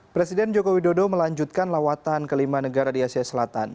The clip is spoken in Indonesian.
presiden joko widodo melanjutkan lawatan kelima negara di asia selatan